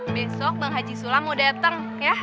besok bang haji sula mau dateng